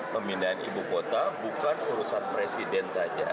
pemindahan ibu kota bukan urusan presiden saja